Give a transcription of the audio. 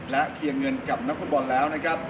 และเคลียร์เงินกับนักฟุตบอลแล้วนะครับ